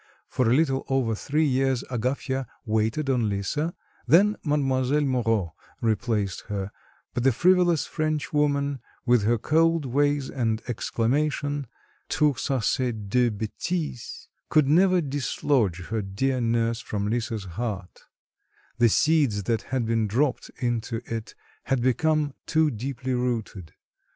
For a little over three years, Agafya waited on Lisa, then Mademoiselle Moreau replaced her; but the frivolous Frenchwoman, with her cold ways and exclamation, tout ça c'est des bêtises, could never dislodge her dear nurse from Lisa's heart; the seeds that had been dropped into it had become too deeply rooted.